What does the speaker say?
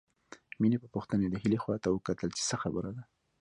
مينې په پوښتنې د هيلې خواته وکتل چې څه خبره ده